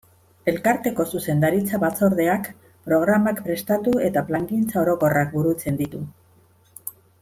Elkarteko zuzendaritza-batzordeak programak prestatu eta plangintza orokorrak burutzen ditu.